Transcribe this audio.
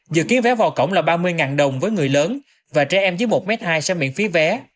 dự kiến vé vào cổng là ba mươi đồng với người lớn và trẻ em dưới một m hai sẽ miễn phí vé